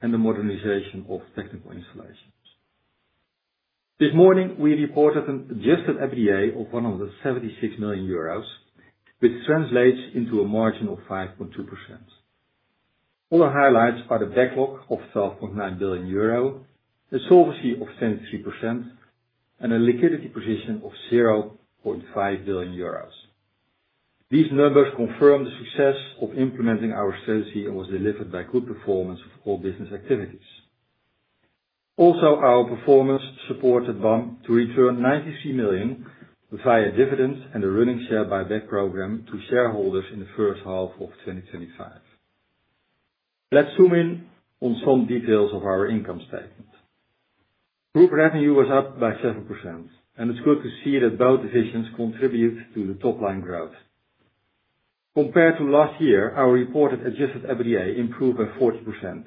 This morning, we reported an adjusted EBITDA of €176,000,000 which translates into a margin of 5.2%. All our highlights are the backlog of €12,900,000,000 the solvency of 73% and a liquidity position of €500,000,000 These numbers confirm the success of implementing our strategy and was delivered by good performance of all business activities. Also our performance supported BAM to return €93,000,000 via dividends and a running share buyback program to shareholders in the first half of twenty twenty five. Let's zoom in on some details of our income statement. Group revenue was up by 7%, and it's good to see that both divisions contribute to the top line growth. Compared to last year, our reported adjusted EBITDA improved by 40%.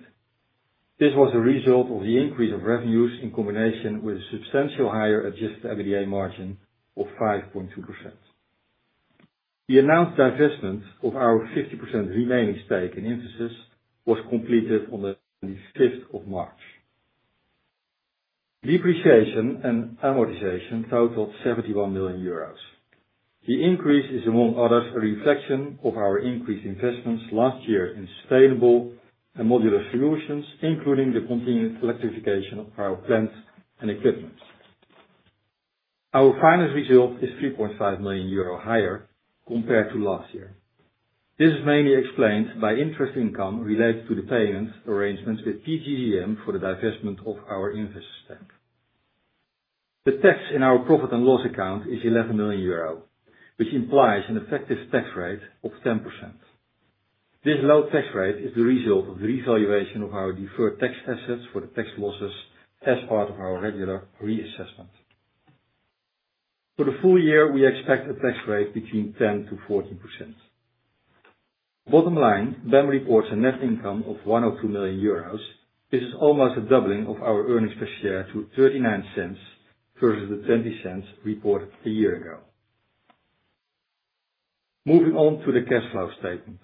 This was a result of the increase of revenues in combination with substantial higher adjusted EBITDA margin of 5.2%. The announced divestment of our 50% remaining stake in Infosys was completed on the March 5. Depreciation and amortization totaled €71,000,000 The increase is among others a reflection of our increased investments last year in sustainable and modular solutions, including the continued electrification of our plants and equipment. Our finance result is €3,500,000 higher compared to last year. This is mainly explained by interest income related to the payments arrangements with PGGM for the divestment of our Infosys' Bank. The tax in our profit and loss account is 11,000,000 Euro, which implies an effective tax rate of 10%. This low tax rate is the result of the revaluation of our deferred tax assets for the tax losses as part of our regular reassessment. For the full year, we expect a tax rate between 10% to 14%. Bottom line, BAM reports a net income of €102,000,000 This is almost a doubling of our earnings per share to €0.39 versus the €0.20 reported a year ago. Moving on to the cash flow statement.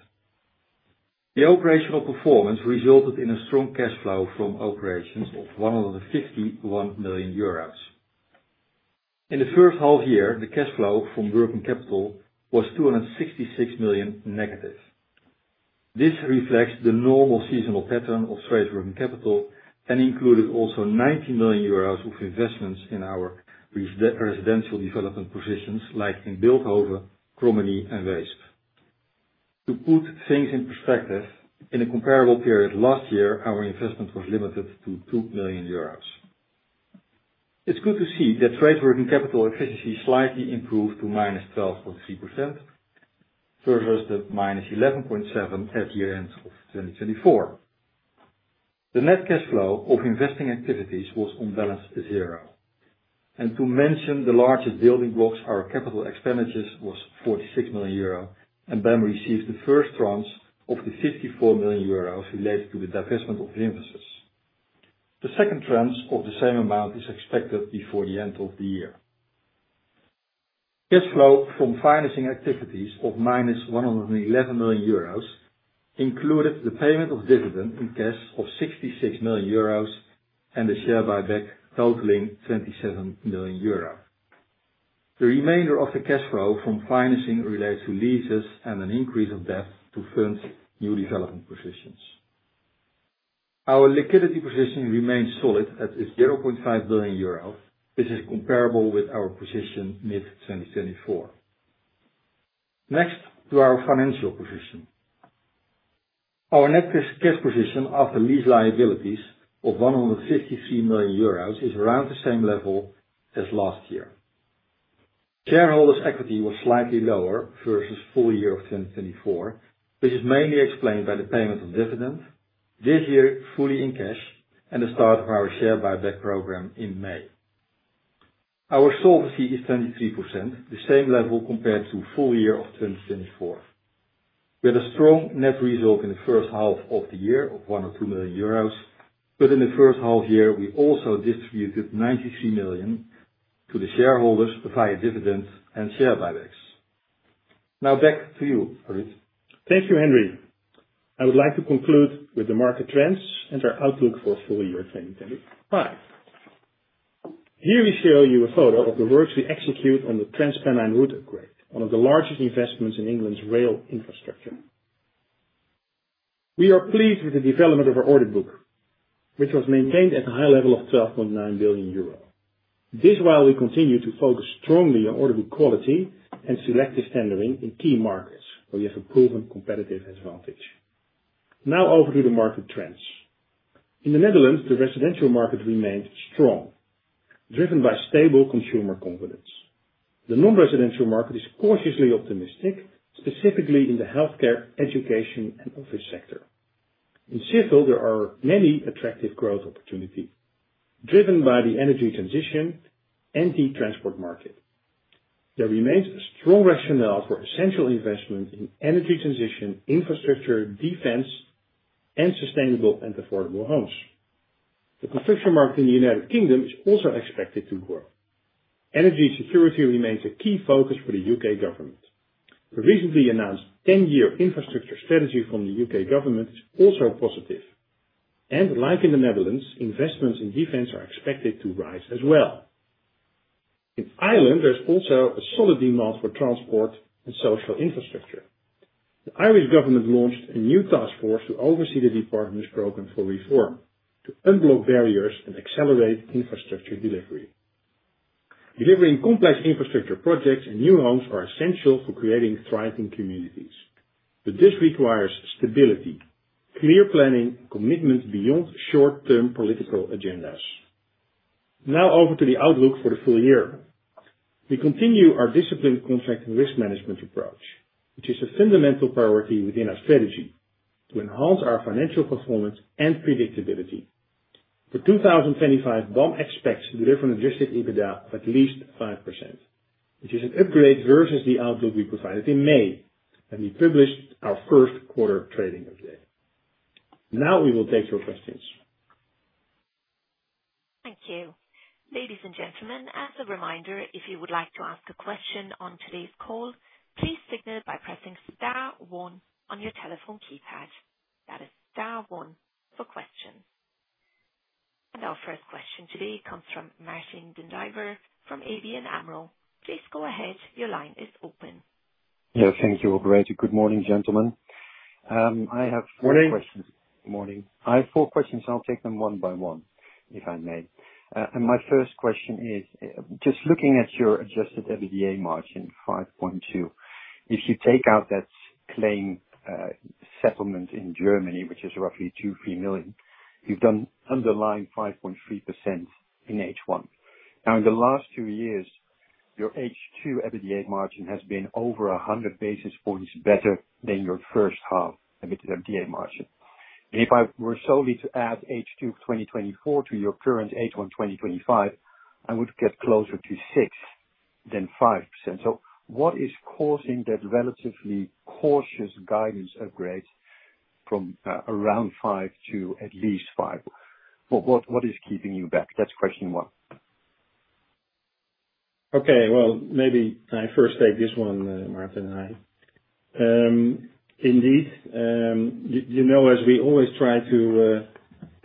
The operational performance resulted in a strong cash flow from operations of 151,000,000 In the first half year, the cash flow from working capital was €266,000,000 negative. This reflects the normal seasonal pattern of Swiss working capital and included also €19,000,000 of investments in our residential development positions like in Beldhoven, Cromani, and Reispe. To put things in perspective, in a comparable period last year, our investment was limited to €2,000,000. It's good to see that trade working capital efficiency slightly improved to minus 12.3% versus the minus 11.7% at year end of 2024. The net cash flow of investing activities was on balance zero, and to mention the largest building blocks, our capital expenditures was 46,000,000 Euro, and BAM received the first tranche of the 54,000,000 Euro related to the divestment of Infosys. The second tranche of the same amount is expected before the end of the year. Cash flow from financing activities of minus €111,000,000 included the payment of dividend in cash of €66,000,000 and the share buyback totaling €27,000,000 The remainder of the cash flow from financing relates to leases and an increase of debt to fund new development positions. Our liquidity position remains solid at 500,000,000.0 Euro, which is comparable with our position mid twenty twenty four. Next to our financial position. Our net cash position after lease liabilities of €153,000,000 is around the same level as last year. Shareholders' equity was slightly lower versus full year of 2024, which is mainly explained by the payment of dividend, this year fully in cash and the start of our share buyback program in May. Our solvency is 23%, the same level compared to full year of 2024. We had a strong net result in the first half of the year of 102 million euros, but in the first half year we also distributed 93 million to the shareholders via dividends and share buybacks. Now back to you, Harith. Thank you, Henry. I would like to conclude with the market trends and our outlook for full year 2025. Here we show you a photo of the works we execute on the Transpennine Wood upgrade, one of the largest investments in England's rail infrastructure. We are pleased with the development of our order book, which was maintained at a high level of €12,900,000,000. This while we continue to focus strongly on order book quality and selective tendering in key markets, where we have a proven competitive advantage. Now over to the market trends. In The Netherlands, the residential market remained strong, driven by stable consumer confidence. The non residential market is cautiously optimistic, specifically in the healthcare, education, and office sector. In civil, there are many attractive growth opportunity, driven by the energy transition and the transport market. There remains a strong rationale for essential investment in energy transition, infrastructure, defense, and sustainable and affordable homes. The construction market in The United Kingdom is also expected to grow. Energy security remains a key focus for the UK government. The recently announced ten year infrastructure strategy from the UK government is also positive. And like in The Netherlands, investments in defense are expected to rise as well. In Ireland, there's also a solid demand for transport and social infrastructure. The Irish government launched a new task force to oversee the department's program for reform, to unblock barriers and accelerate infrastructure delivery. Delivering complex infrastructure projects and new homes are essential for creating thriving communities, but this requires stability, clear planning, commitments beyond short term political agendas. Now over to the outlook for the full year. We continue our disciplined contract and risk management approach, which is a fundamental priority within our strategy to enhance our financial performance and predictability. For 2025, Baum expects to deliver an adjusted EBITDA of at least 5%, which is an upgrade versus the outlook we provided in May when we published our first quarter trading update. Now we will take your questions. Thank you. And our first question today comes from Martin Dendiver from ABN AMRO. I have morning. I have four questions. I'll take them one by one, if I may. And my first question is, just looking at your adjusted EBITDA margin, point 2%, if you take out that claim settlement in Germany, which is roughly $23,000,000, you've done underlying 5.3% in h one. Now in the last two years, your h two EBITDA margin has been over a 100 basis points better than your first half EBITDA margin. And if I were solely to add h two twenty twenty four to your current h one twenty twenty five, I would get closer to six than 5%. So what is causing that relatively cautious guidance upgrade from around five to at least five? What what is keeping you back? That's question one. Okay. Well, maybe I first take this one, Martin and I. Indeed, you you know as we always try to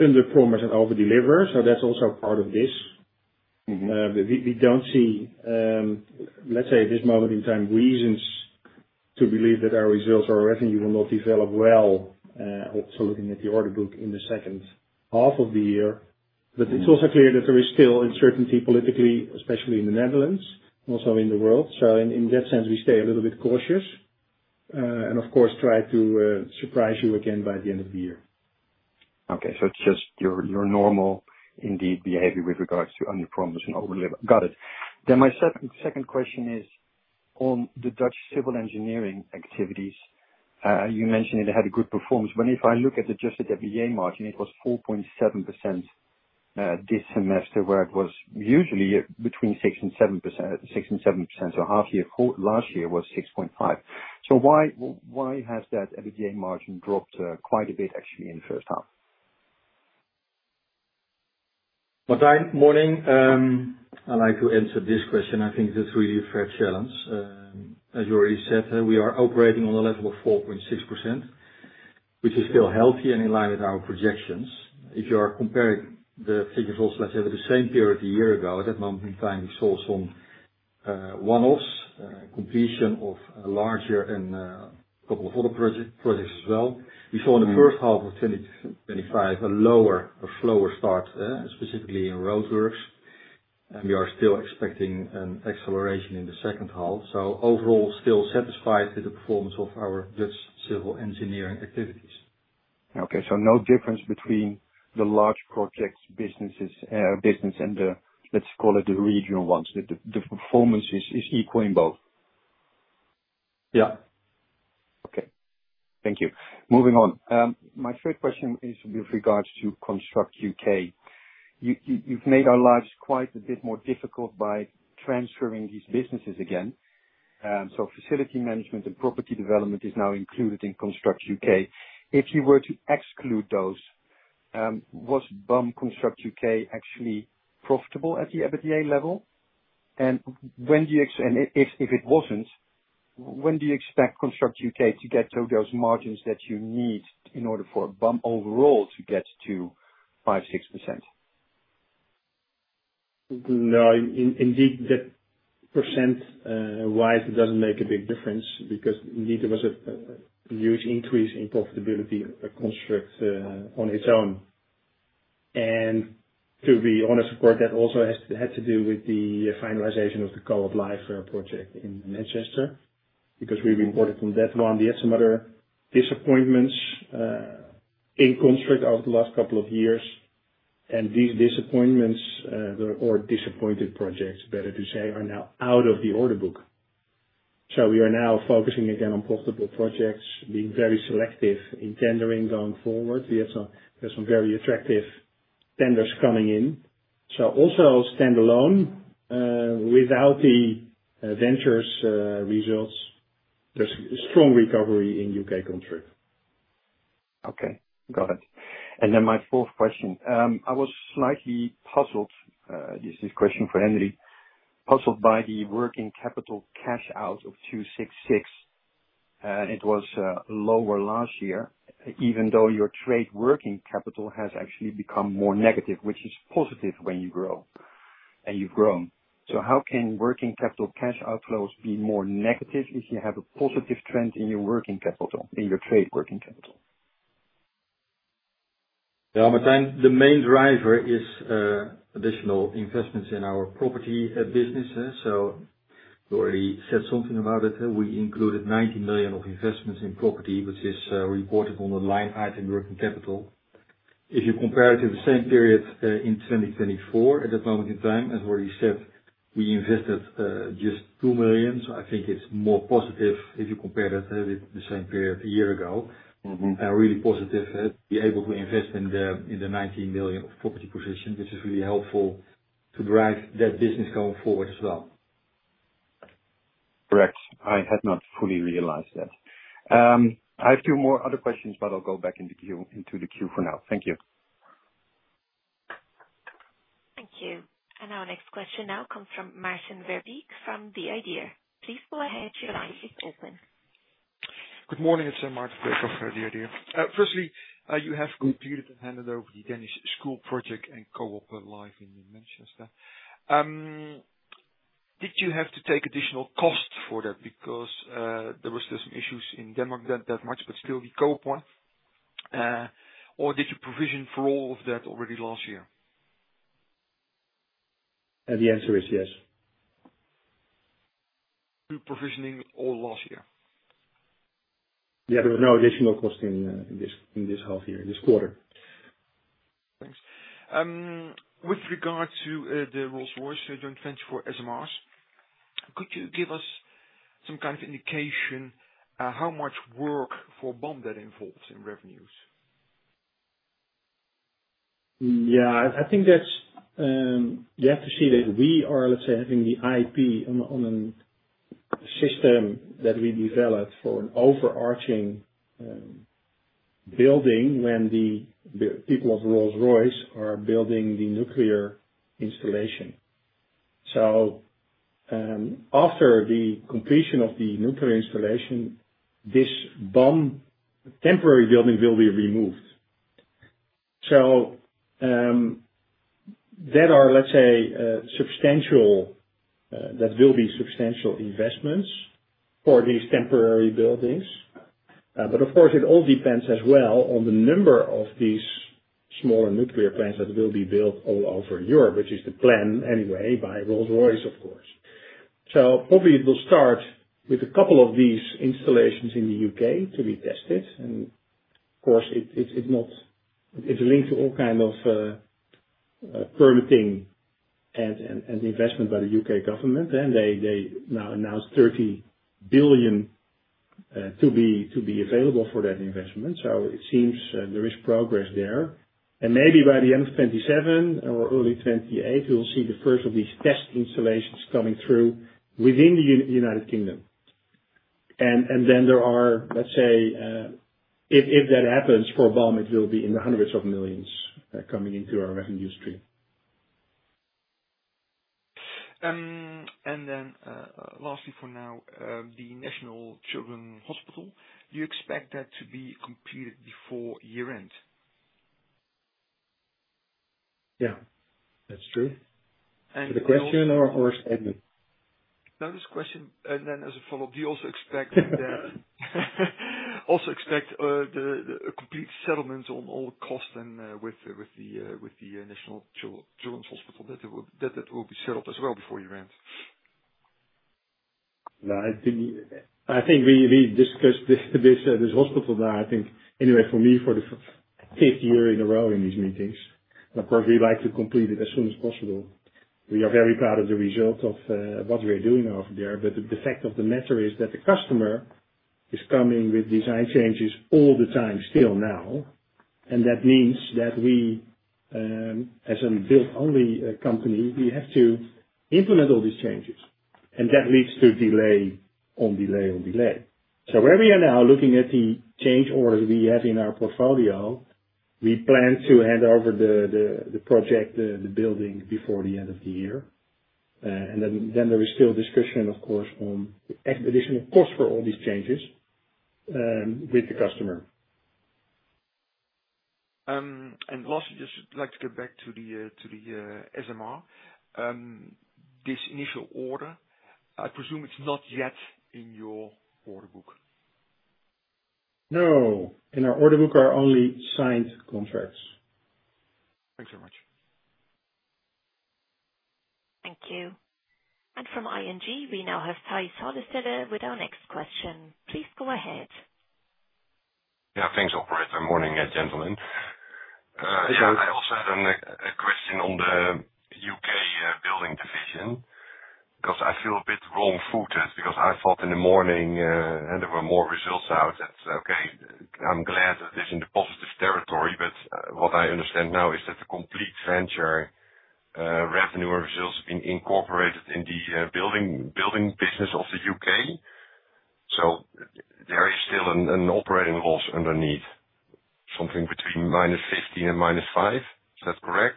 underpromise and overdeliver, so that's also part of this. Mhmm. We we don't see, let's say, this moment in time, reasons to believe that our results or revenue will not develop well, also looking at the order book in the second half of the year. But it's also clear that there is still uncertainty politically, especially in The Netherlands, and also in the world. So in in that sense, we stay a little bit cautious, and, of course, try to surprise you again by the end of the year. Okay. So it's just your your normal indeed behavior with regards to underpromising overlever. Got it. Then my second second question is on the Dutch civil engineering activities. You mentioned it had a good performance. But if I look at adjusted EBITDA margin, it was 4.7% this semester where it was usually between 6767%. So half year last year was 6.5%. So why has that EBITDA margin dropped quite a bit actually in the first half? Matthijn, I like to answer this question. I think this is really a fair challenge. As you already said, we are operating on a level of 4.6%, which is still healthy and in line with our projections. If you are comparing the figures also, let's say, with the same period a year ago, at that moment in time, we saw some one offs, completion of a larger and a couple of other project projects as well. We saw in the 2025 a lower a slower start, specifically in roadworks, and we are still expecting an acceleration in the second half. So overall, still satisfied with the performance of our Dutch civil engineering activities. Okay. So no difference between the large projects businesses, business and the, let's call it, the regional ones. The performance is equal in both? Yeah. Okay. Thank you. Moving on. My third question is with regards to Construct UK. You've made our lives quite a bit more difficult by transferring these businesses again. So facility management and property development is now included in Construct UK. If you were to exclude those, was BAM Construct UK actually profitable at the EBITDA level? And when do you and if if it wasn't, when do you expect Construct UK to get to those margins that you need in order for BAM overall to get to 6%? No. In in indeed, that percent wise, it doesn't make a big difference because, indeed, there was a huge increase in profitability constructs on its own. And to be honest, of course, that also has to had to do with the finalization of the Call of Life project in Manchester because we've imported from that one. We had some other disappointments in construct over the last couple of years, and these disappointments, or disappointed projects, better to say, are now out of the order book. So we are now focusing again on profitable projects, being very selective in tendering going forward. We had some there's some very attractive tenders coming in. So also standalone without the Ventures results, there's a strong recovery in UK contract. Okay. Got it. And then my fourth question, I was slightly puzzled. This is question for Henry. Puzzled by the working capital cash out of $2.66, and it was lower last year even though your trade working capital has actually become more negative, which is positive when you grow and you've grown. So how can working capital cash outflows be more negative if you have a positive trend in your working capital in your trade working capital? Capital? Yeah, Martin, the main driver is additional investments in our property business. So we already said something about it. We included 90,000,000 of investments in property, which is reported on the line item working capital. If you compare it to the same period in 2024, at the moment in time, as already said, we invested just 2,000,000, so I think it's more positive if you compare that with the same period a year ago. Mhmm. And really positive, we're able to invest in the in the 19,000,000 of property position, which is really helpful to drive that business going forward as well. Correct. I had not fully realized that. I have two more other questions, but I'll go back into the queue for now. Thank you. Thank you. And our next question now comes from Martin Verbique from The Idea. Please go ahead. Your line is open. Good morning. It's Mark Brekof, The Idea. Firstly, you have completed and handed over the Danish school project and coop live in Manchester. Did you have to take additional Because there were still some issues in Denmark that that much, but still the COP one. Or did you provision for all of that already last year? The answer is yes. Through provisioning all last year? Yeah. There was no additional cost in this in this half year, this quarter. Thanks. With regard to the Rolls Royce joint venture for SMRs, could you give us some kind of indication how much work for Bomber involved in revenues? Yeah. I I think that's you have to see that we are, let's say, having the IP on a on a system that we developed for an overarching building when the people of Rolls Royce are building the nuclear installation. So after the completion of the nuclear installation, this bomb temporary building will be removed. So that are, let's say, substantial, that will be substantial investments for these temporary buildings, but of course it all depends as well on the number of these smaller nuclear plants that will be built all over Europe, is the plan anyway by Rolls Royce, of course. So, probably, it will start with a couple of these installations in The UK to be tested, and, of course, it it's it's not it's linked to all kind of permitting and and and investment by the UK government, and they they now announced 30,000,000,000 to be to be available for that investment, so it seems there is progress there. And maybe by the '27 or early twenty eight, we will see the first of these test installations coming through within The United Kingdom. And and then there are, let's say, if if that happens for Balm, it will be in the hundreds of millions coming into our revenue stream. And then lastly for now, the National Children's Hospital, do you expect that to be completed before year end? Yeah. That's true. For the question or or statement? Now this question and then as a follow-up, do you also expect that also expect the the complete settlement on all the cost and with the with the with the National Children's Hospital that it would that it will be settled as well before you No. I think I think we we discussed this this this hospital now, I think, anyway, for me, for the fifth year in a row in these meetings. Of course, we like to complete it as soon as possible. We are very proud of the result of what we are doing off there, but the the fact of the matter is that the customer is coming with design changes all the time still now, and that means that we, as a built only company, we have to implement all these changes, and that leads to delay on delay on delay. So where we are now looking at the change orders we have in our portfolio, we plan to hand over the the the project, the the building before the end of the year. And then then there is still discussion, of course, on expedition, of course, for all these changes with the customer. And, Lars, I just like to get back to the to the SMR. This initial order, I presume it's not yet in your order book. No. In our order book are only signed contracts. Thanks very much. Thank you. And from ING, we now have Thijs Soldeste with our next question. Please go ahead. Yes. I also had a question on the U. K. Building division because I feel a bit wrong footed because I thought in the morning and there were more results out, okay. I'm glad that this is in the positive territory, but, what I understand now is that the complete venture, revenue and results have been incorporated in the building building business of The UK. So there is still an operating loss underneath, something between minus 15 and minus five. Is that correct?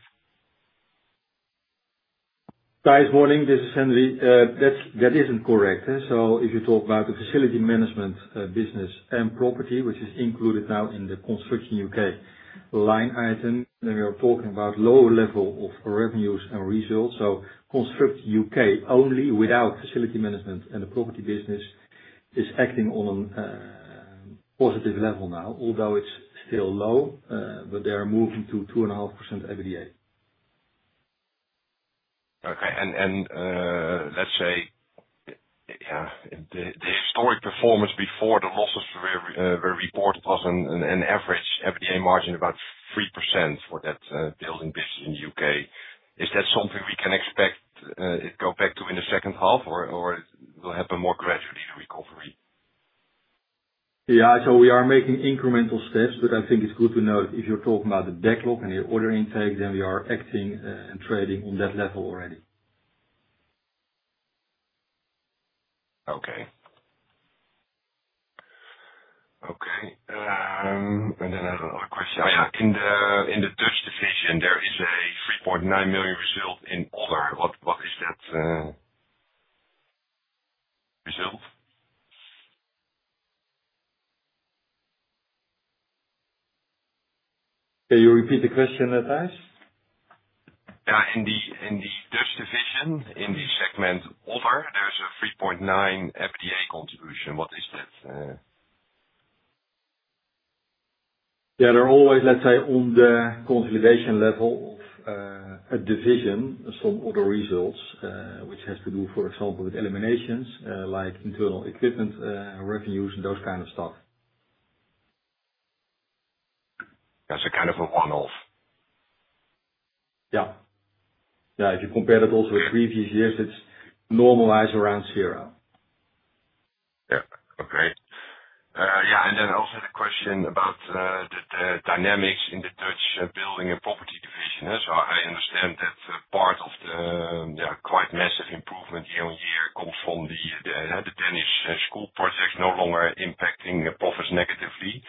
Thijs, good morning. This is Henri. That isn't correct. So if you talk about the facility management business and property, which is included now in the Construction UK line item, then we are talking about lower level of revenues and results. So Construction UK only without facility management and the property business is acting on a positive level now, although it's still low, but they are moving to 2.5% EBITDA. Okay. And and let's say, yeah, the the historic performance before the losses were were reported was an an average EBITDA margin about 3% for that building business in The UK. Is that something we can expect it go back to in the second half? Or or will happen more gradually the recovery? Yeah. So we are making incremental steps, but I think it's good to know if you're talking about the backlog and the order intake, then we are acting and trading on that level already. Okay. Okay. And then I have another question. Yeah. In the the Dutch division, there is a three point nine million result in older. What what is that result? Can you repeat the question, Thijs? Yeah. In the in the Dutch division, in the segment other, there's a 3.9 EBITDA contribution. What is that? Yeah. They're always, let's say, on the consolidation level of a division, some other results, which has to do, for example, with eliminations, like internal equipment, revenues, and those kind of stuff. That's a kind of a one off. Yeah. Yeah. If you compare it also with previous years, it's normalized around zero. Yeah. Okay. Yeah. And then I also had a question about the dynamics in the Dutch building and property division. So I understand that part of the quite massive improvement year on year comes from the Danish school projects no longer impacting profits negatively.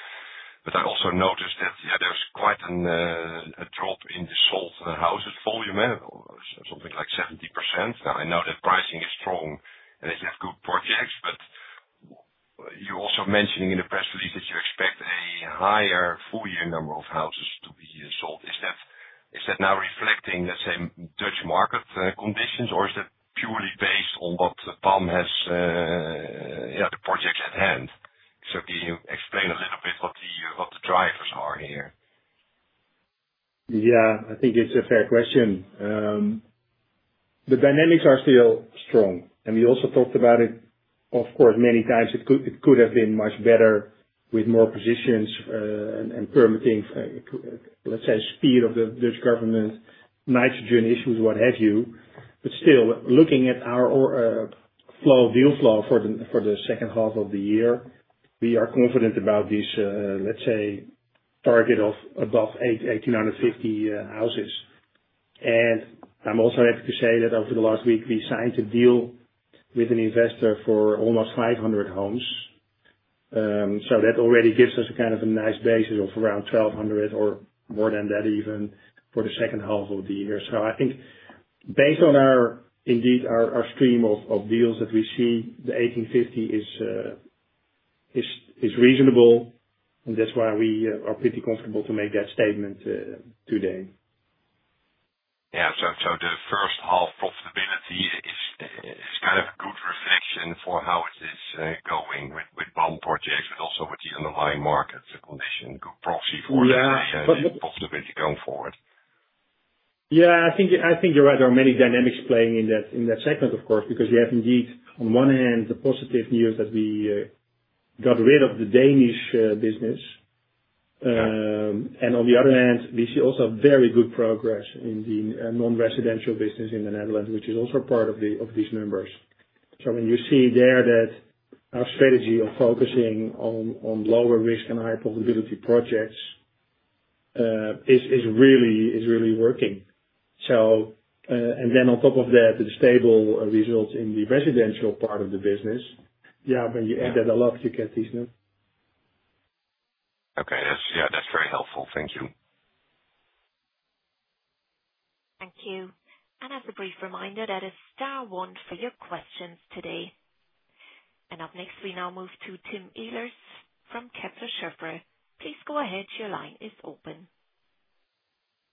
But I also noticed that, yes, there's quite a drop in the sold houses volume, like 70%. Now I know that pricing is strong and that you have good projects, but you're also mentioning in the press release that you expect a higher full year number of houses to be sold. Is that now reflecting, let's say, Dutch market conditions? Or is that purely based on what Palm has yes, the projects at hand? So can you explain a little bit what the drivers are here? Yeah. I think it's a fair question. The dynamics are still strong, and we also talked about it, of course, many times it could it could have been much better with more positions and permitting, let's say, speed of the Dutch government, nitrogen issues, what have you. But still, looking at our flow deal flow for the for the second half of the year, we are confident about this, let's say, target of above eight 1,850 houses. And I'm also happy to say that over the last week, we signed a deal with an investor for almost five hundred homes. So that already gives us a kind of a nice basis of around 1,200 or more than that even for the second half of the year. So I think based on our, indeed, our our stream of of deals that we see, the $18.50 is is is reasonable, and that's why we are pretty comfortable to make that statement today. Yeah. So so the first half profitability is is kind of a good reflection for how it is going with with bond projects, but also with the underlying market, the condition, good proxy for, let's say, the possibility going forward. Yeah. I think I think you're right. There are many dynamics playing in that in that segment, of course, because you have indeed, on one hand, the positive news that we got rid of the Danish business. Yeah. And on the other hand, we see also very good progress in the non residential business in The Netherlands, which is also part of the of these numbers. So when you see there that our strategy of focusing on on lower risk and high probability projects is is really is really working. So then on top of that, the stable results in the residential part of the business. Yeah. When you add that a lot, you get these now. Okay. That's yeah. That's very helpful. Thank you. Thank you. And up next, we now move to Tim Ehlers from Kepler Cheuvreux. Please go ahead. Your line is open.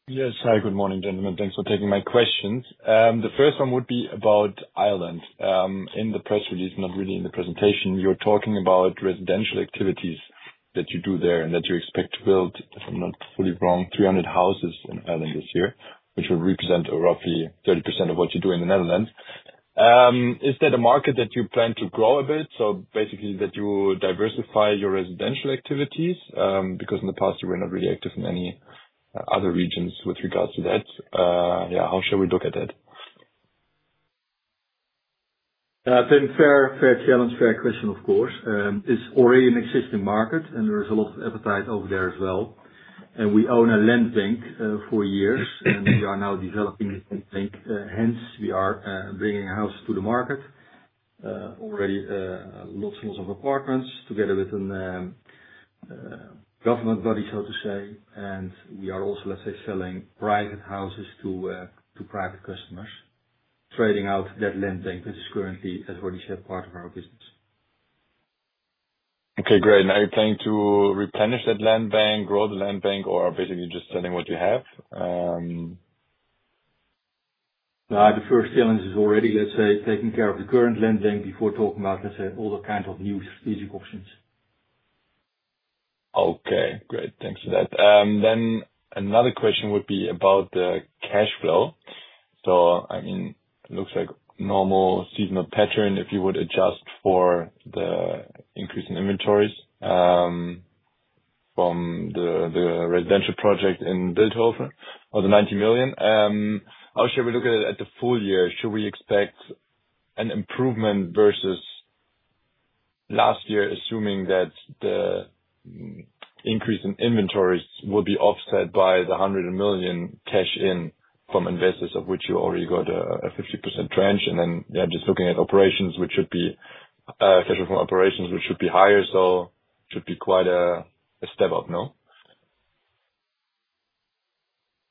Yes. Hi, good morning, gentlemen. Thanks for taking my questions. The first one would be about Ireland. In the press release, really in the presentation, you're talking about residential activities that you do there and that you expect to build, if I'm not fully wrong, 300 houses in Ireland this year, which will represent roughly 30% of what you do in The Netherlands. Is that a market that you plan to grow a bit? So basically, that you diversify diversify your residential activities because in the past you were not really active in any other regions with regards to that. Yeah. How shall we look at that? Think fair challenge, fair question, of course. It's already an existing market and there is a lot of appetite over there as well. And we own a land bank for years and we are now developing the land bank, hence we are bringing a house to the market. Already lots and lots of apartments together with a government body, so to say, and we are also, let's say, selling private houses to to private customers, trading out that land bank, which is currently, as already said, part of our business. Okay. Great. And are you planning to replenish that land bank, grow the land bank, basically just selling what you have? The first challenge is already, let's say, taking care of the current land bank before talking about, let's say, all the kind of new strategic options. Okay. Great. Thanks for that. Then another question would be about the cash flow. So, I mean, it looks like normal seasonal pattern, if you would adjust for the increase in inventories from the residential project in Beldhofer or the €90,000,000 How should we look at it at the full year? Should we expect an improvement versus last year, assuming that the increase in inventories will be offset by the €100,000,000 cash in from investors of which you already got a 50% tranche. And then, yeah, just looking at operations, which should be cash flow from operations, which should be higher, so should be quite a step up,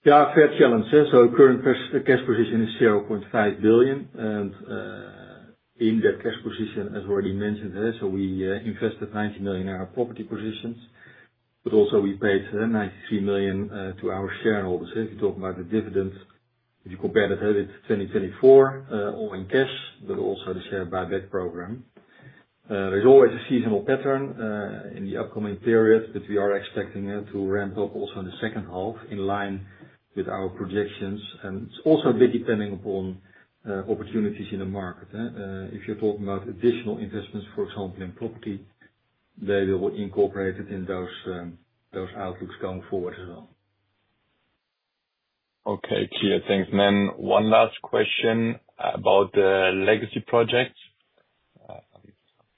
Yes, fair challenges. So current cash position is €500,000,000 and in that cash position, as already mentioned, so we invested €90,000,000 in our property positions, but also we paid 93,000,000 to our shareholders. So if you talk about the dividends, if you compare the credit to 2024 all in cash, but also the share buyback program. There's always a seasonal pattern in the upcoming period, but we are expecting it to ramp up also in the second half in line with our projections, and it's also a bit depending upon opportunities in the market. If you're talking about additional investments, for example, in property, they will incorporate it in those those outlooks going forward as well. Okay. Clear. Thanks. And then one last question about the legacy projects.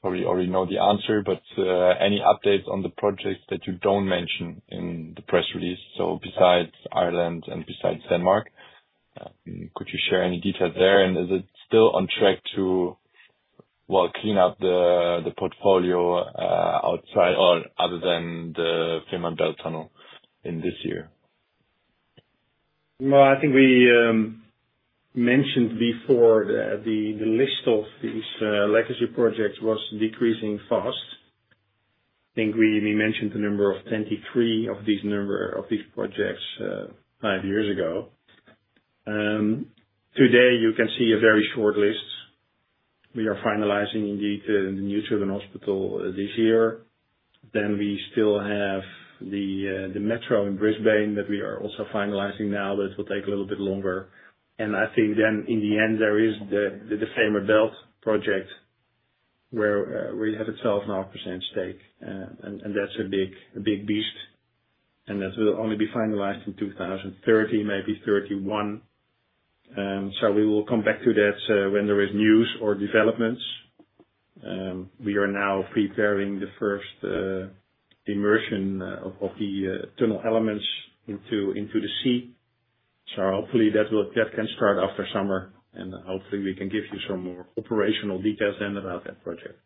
Probably already know the answer, but any updates on the projects that you don't mention in the press release, so besides Ireland and besides Denmark? Could you share any details there? And is it still on track to, well, clean up the the portfolio outside or other than the Fairmont Bell Tunnel in this year? Well, I think we mentioned before the the the list of these legacy projects was decreasing fast. Think we we mentioned the number of 23 of these number of these projects five years ago. Today you can see a very short list. We are finalizing indeed the new children hospital this year. Then we still have the the metro in Brisbane that we are also finalizing now, but it will take a little bit longer. And I think then in the end, there is the the the Famer Belt project where we have a 12 and half percent stake, and and that's a big big beast. And that will only be finalized in 02/1930, maybe '31. So we will come back to that when there is news or developments. We are now preparing the first immersion of of the tunnel elements into into the sea. So hopefully, that will that can start after summer, and hopefully, we can give you some more operational details then about that project.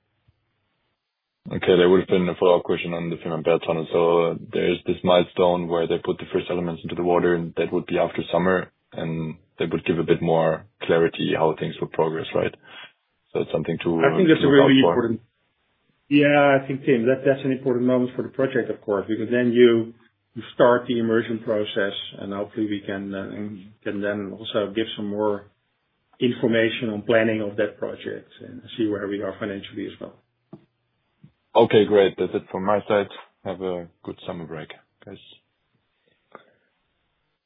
Okay. There would have been a follow-up question on the Finland Bell Tunnel. So there's this milestone where they put the first elements into the water, and that would be after summer, and that would give a bit more clarity how things would progress. Right? So it's something to I think that's a really important yeah. I think, Tim, that that's an important moment for the project, of course, because then you you start the immersion process, and, hopefully, we can then can then also give some more information on planning of that project and see where we are financially as well. Okay. Great. That's it from my side. Have a good summer break, guys.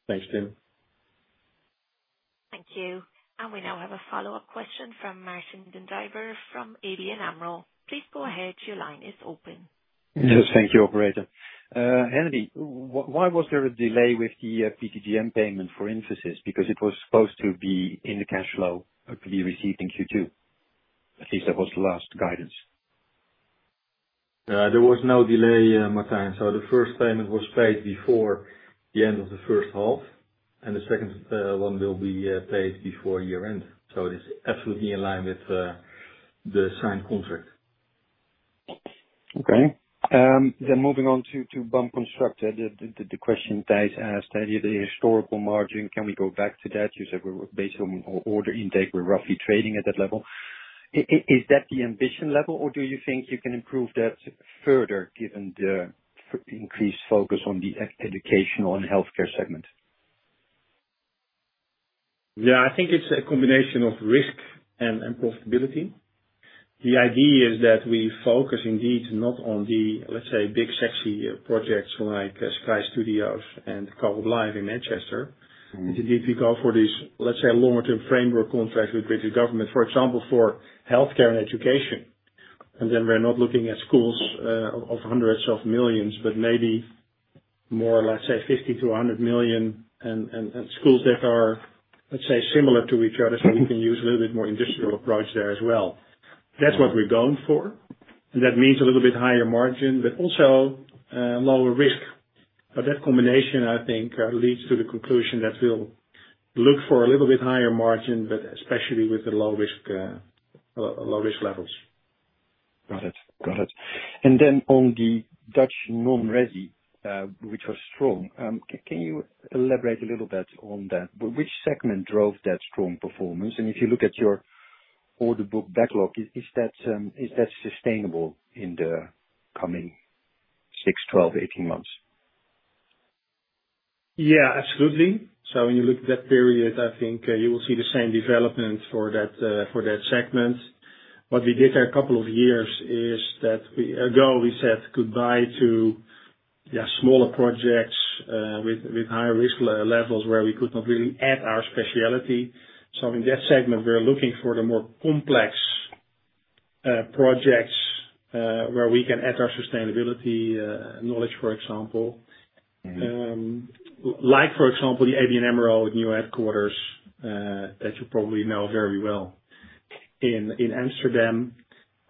Thanks, Tim. Thank you. And we now have a follow-up question from Martin Dendreiber from ABN AMRO. Please go ahead. Your line is open. Yes. Thank you, operator. Henri, why was there a delay with the PTGM payment for Infosys? Because was supposed to be in the cash flow to be received in q two, at least that was the last guidance. There was no delay, Martin. So the first payment was paid before the end of the first half, and the second one will be paid before year end. So it is absolutely in line with the signed contract. Okay. Then moving on to to BAM Constructor, the question the Thijs asked, the historical margin, can we go back to that? You said we were based on order intake, we're roughly trading at that level. Is that the ambition level, or do you think you can improve that further given the increased focus on the educational and health care segment? Yeah. I think it's a combination of risk and and profitability. The idea is that we focus indeed not on the, let's say, big sexy projects like Sky Studios and Call of Life in Manchester. Mhmm. Indeed, we go for these, let's say, longer term framework contracts with British government. For example, for health care and education. And then we're not looking at schools of hundreds of millions, but maybe more, let's say, 50 to a 100,000,000 and and and schools that are, let's say, similar to each other, so we can use a little bit more industrial approach there as well. That's what we're going for, and that means a little bit higher margin, but also lower risk. So that combination, I think, leads to the conclusion that we'll look for a little bit higher margin, but especially with the low risk levels. Got it. Got it. And then on the Dutch nonresi, which was strong, can you elaborate a little bit on that? Which segment drove that strong performance? And if you look at your order book backlog, is that sustainable in the coming six, twelve, eighteen months? Yeah. Absolutely. So when you look at that period, I think you will see the same development for that for that segment. What we did there a couple of years is that we ago, we said goodbye to, yeah, smaller projects with with high risk levels where we could not really add our specialty. So in that segment, we are looking for the more complex projects where we can add our sustainability knowledge, for example. Mhmm. Like, for example, the ABN AMRO with new headquarters that you probably know very well in in Amsterdam,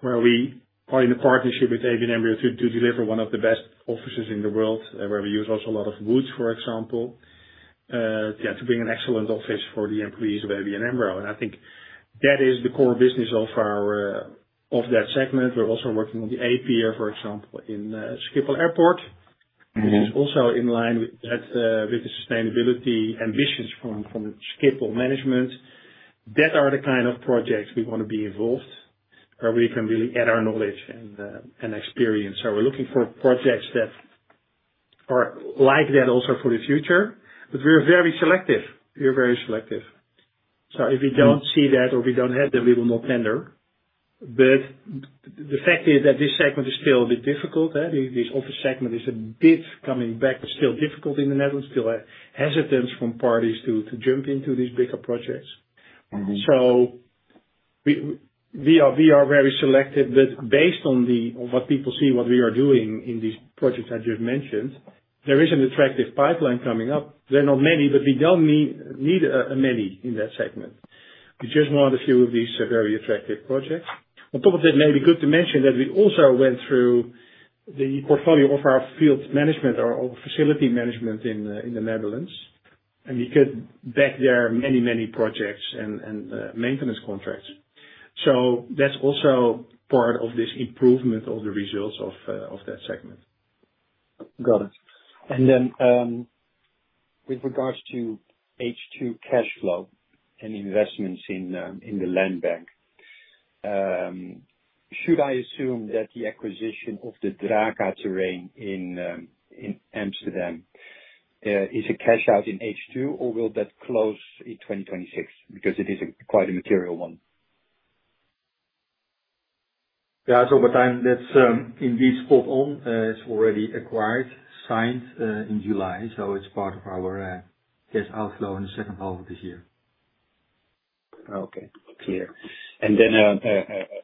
where we are in a partnership with ABN AMRO to to deliver one of the best offices in the world, where we use also a lot of wood, for example, yeah, to bring an excellent office for the employees of ABN AMRO. And I think that is the core business of our of that segment. We're also working on the APA, for example, in Schiphol Airport, which is also in line with that with the sustainability ambitions from from Schiphol management. That are the kind of projects we wanna be involved where we can really add our knowledge and and experience. So we're looking for projects that are like that also for the future, but we are very selective. We are very selective. So if we don't see that or we don't have that, we will not tender. But the fact is that this segment is still a bit difficult. This office segment is a bit coming back, but still difficult in The Netherlands, still a hesitance from parties to jump into these bigger projects. Mhmm. So we very selective, but based on what people see what we are doing in these projects I just mentioned, there is an attractive pipeline coming up. There are not many, but we don't need many in that segment. We just won a few of these very attractive projects. On top of that, maybe good to mention that we also went through the portfolio of our field management or facility management in The Netherlands, and we could back there many many projects and maintenance contracts. So that's also part of this improvement of the results of that segment. Got it. And then with regards to h two cash flow and investments in in the land bank, should I assume that the acquisition of the Draca Terrain in in Amsterdam is a cash out in h two, or will that close in 2026? Because it is quite a material one. Yeah. So, Batyne, that's indeed spot on. It's already acquired, signed in July, so it's part of our cash outflow in the second half of this year. Okay. Clear. And then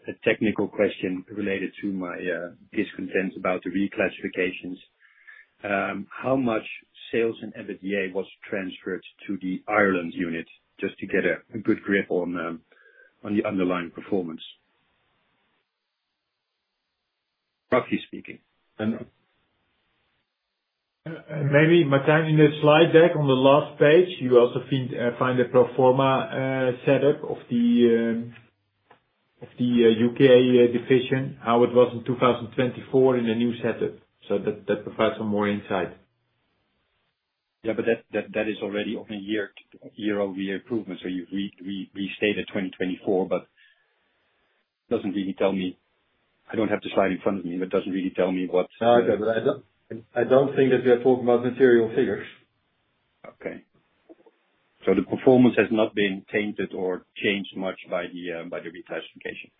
a technical question related to my discontent about the reclassifications. How much sales and EBITDA was transferred to the Ireland unit just to get a good grip on the underlying performance, roughly speaking. And maybe, Martin, in the slide deck on the last page, you also find a pro form a setup of The UK division, it was in 2024 in a new setup. So that that provides some more insight. Yeah. But that that that is already on a year year over year improvement. So you've re restated 2024, but doesn't really tell me I don't have the slide in front of me, but doesn't really tell me what No. But I don't I don't think that you are talking about material figures. Okay. So the performance has not been tainted or changed much by the by the reclassification?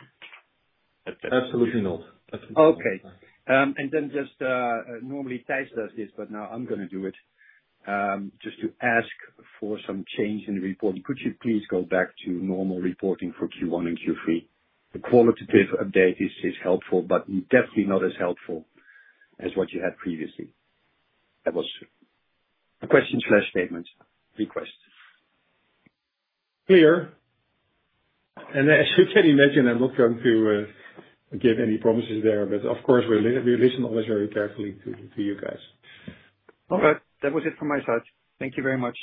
That's it. Absolutely not. Definitely not. And then just normally, Thijs does this, but now I'm gonna do it. Just to ask for some change in the report, could you please go back to normal reporting for q one and q three? The qualitative update is helpful, but definitely not as helpful as what you had previously. That was a questionstatement request. Clear. And as you can imagine, I'm not going to give any promises there, but, of course, we we listen always very carefully to to you guys. Alright. That was it from my side. Thank you very much.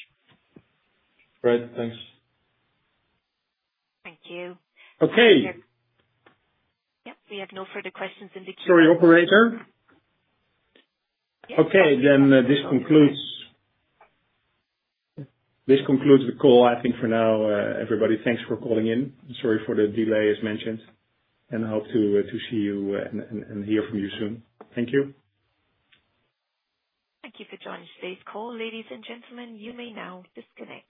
Alright. Thanks. Thank you. Yep. We have no further questions in the queue. Sorry, operator? Yes. Then this concludes this concludes the call. Think for now, everybody, thanks for calling in. Sorry for the delay as mentioned, and I hope to to see you and and and hear from you soon. Thank you. Thank you for joining today's call. Ladies and gentlemen, you may now disconnect.